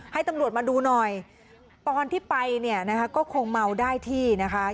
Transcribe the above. ให้ตำรวจมาดูหน่อยตอนที่ไปก็คงเมาได้ที่นะคะ